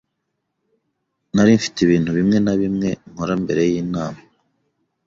Nari mfite ibintu bimwe na bimwe nkora mbere yinama.